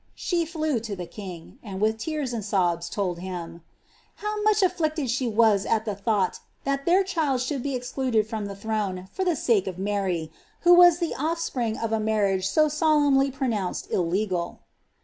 She flew to the king, and with tesn and sobs told him, ^^ how much aiHicted she was at the thought thit their child should be excluded from the throne for the sake of Marv, who was the oflspring of a marriage so solemnly pronounced illegal.